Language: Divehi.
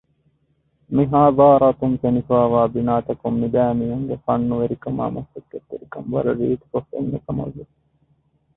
މި ޙާޟާރަތުން ފެނިފައިވާ ބިނާތަކުން މި ބައި މީހުންގެ ފަންނުވެރިކަމާއ މަސައްކަތްތެރިކަން ވަރަށް ރީތިކޮށް ފެންނަކަމަށްވެ